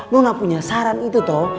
nona punya saran itu toh